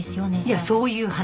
いやそういう話。